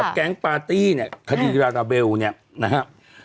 กับแก๊งปาร์ตี้เนี่ยคดีราตาเบลนะครับ